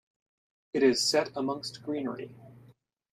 It is set amongst greenery.